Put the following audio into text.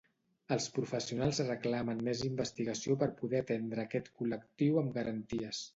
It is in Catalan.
Els professionals reclamen més investigació per poder atendre aquest col·lectiu amb garanties.